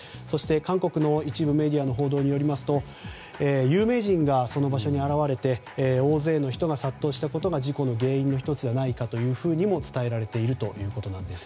韓国の一部メディアの報道によりますと有名人がその場所に現れて大勢の人が殺到したことが事故の原因の１つではないかとも伝えられているということです。